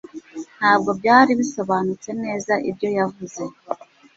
ntabwo byari bisobanutse neza ibyo yavuze